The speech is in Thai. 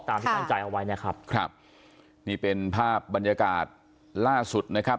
ที่ตั้งใจเอาไว้นะครับครับนี่เป็นภาพบรรยากาศล่าสุดนะครับ